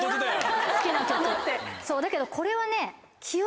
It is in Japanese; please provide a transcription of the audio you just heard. そうだけどこれはね。